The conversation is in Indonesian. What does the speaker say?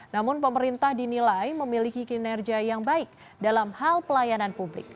namun pemerintah dinilai memiliki kinerja yang baik dalam hal pelayanan publik